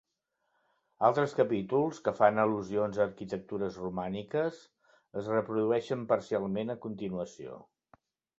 Altres capítols, que fan al·lusions a arquitectures romàniques, es reprodueixen parcialment a continuació.